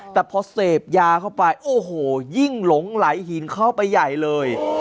แต่พอเสพยาเข้าไปโอ้โหยิ่งหลงไหลหินเข้าไปใหญ่เลย